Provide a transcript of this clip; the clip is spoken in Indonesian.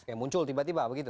yang muncul tiba tiba begitu